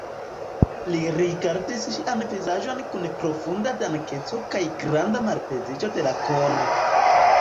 Li rigardis ŝian vizaĝon kun profunda dankeco kaj granda malpeziĝo de la koro.